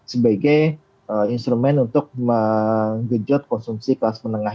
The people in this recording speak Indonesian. sebagai instrumen untuk menggenjot konsumsi kelas menengah